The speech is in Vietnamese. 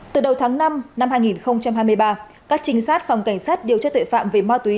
từ đầu tháng năm năm hai nghìn hai mươi ba các trinh sát phòng cảnh sát điều tra tội phạm về ma túy